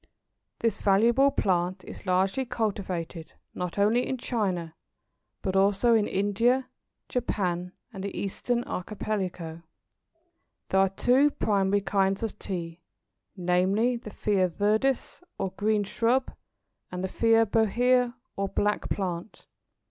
This valuable plant is largely cultivated not only in China but also in India, Japan, and the Eastern Archipelago. There are two primary kinds of Tea, namely the Thea viridis, or green shrub, and the Thea Bohea, or black plant.